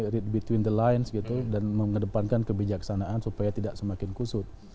read between the lines gitu dan mengedepankan kebijaksanaan supaya tidak semakin kusut